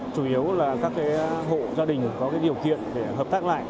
chủ yếu là các hộ gia đình có điều kiện để hợp tác lại